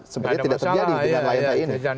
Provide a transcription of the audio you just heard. sebenarnya tidak terjadi dengan layanan ini